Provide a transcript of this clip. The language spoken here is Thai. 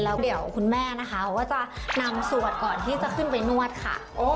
แล้วเดี๋ยวคุณแม่นะคะเขาก็จะนำสวดก่อนที่จะขึ้นไปนวดค่ะ